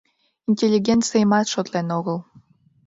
Интеллигенцийымат шотлен огыл.